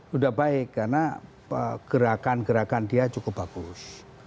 sudah baik karena gerakan gerakan dia cukup bagus